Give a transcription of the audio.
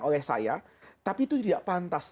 oleh saya tapi itu tidak pantas